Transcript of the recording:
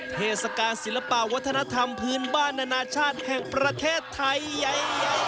เทศกาลศิลปะวัฒนธรรมพื้นบ้านนานาชาติแห่งประเทศไทยใหญ่